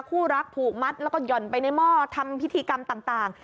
คู่รักผูกมัดแล้วก็หย่อนไปในหม้อทำพิธีกรรมต่าง